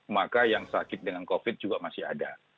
maka yang sakit dengan covid juga masih ada